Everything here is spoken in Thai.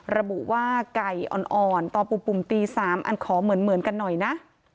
ระบุว่าไก่อ่อนตอนปุ่มตี๓อันขอเหมือนกันหน่อยนะ